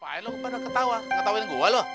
pak elok baru ketawa gak tauin gue loh